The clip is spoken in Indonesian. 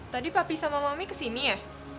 tadi papi sama mami kesini ya